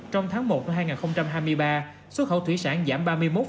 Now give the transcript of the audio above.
trong tháng một hai nghìn hai mươi ba xuất khẩu thủy sản giảm ba mươi một